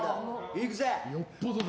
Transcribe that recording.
いくぜ！